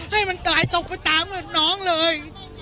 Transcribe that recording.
ให้มันตายตกไปตามน้องเลย